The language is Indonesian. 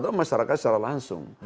atau masyarakat secara langsung